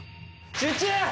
集中！